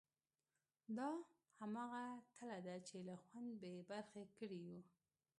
دا همغه تله ده چې له خوند بې برخې کړي یو.